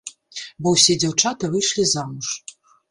Бо ўсе дзяўчаты выйшлі замуж.